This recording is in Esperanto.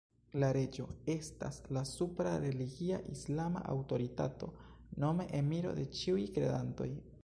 La reĝo estas la supra religia islama aŭtoritato, nome Emiro de ĉiuj kredantoj.